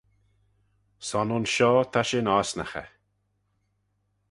Son ayns shoh ta shin osnaghey.